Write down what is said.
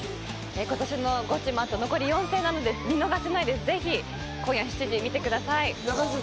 今年のゴチもあと残り４戦なので見逃せないので、今夜７時、ぜひ見てください。